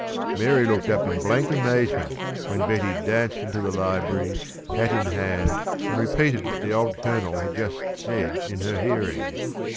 Mary looked up in blank amazement when Betty danced into the library, hat in hand, and repeated what the old Colonel had just said in her hearing.